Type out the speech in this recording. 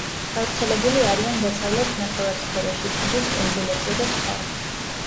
გავრცელებული არიან დასავლეთ ნახევარსფეროში, ფიჯის კუნძულებზე და სხვა.